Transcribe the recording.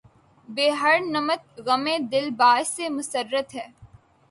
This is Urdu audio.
بہ ہر نمط غمِ دل باعثِ مسرت ہے